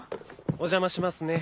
お邪魔しますね。